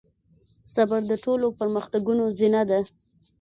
صبر د ټولو پرمختګونو زينه ده.